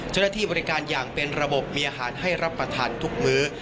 เจ้าหน้าที่บริการอย่างเป็นระบบมีอาหารให้รับประทานทุกมื้อ